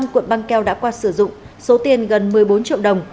năm cuộn băng keo đã qua sử dụng số tiền gần một mươi bốn triệu đồng